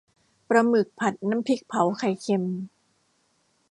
ปลาหมึกผัดน้ำพริกเผาไข่เค็ม